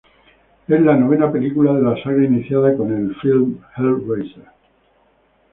Es la novena película de la saga iniciada con el film "Hellraiser".